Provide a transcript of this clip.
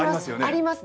あります！